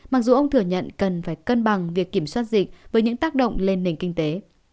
mặc dù ông thừa nhận cần phải cân bằng việc kiểm soát dịch với những tác động lên nền kinh tế